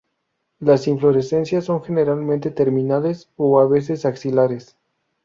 Las inflorescencias son generalmente terminales, a veces axilares.